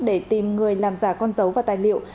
để tìm người làm giả con dấu và tài liệu